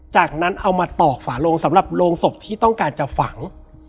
จากนั้นเอามาตอกฝาโลงสำหรับโรงศพที่ต้องการจะฝัง